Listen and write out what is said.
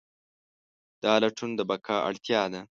دا لټون د بقا اړتیا ده.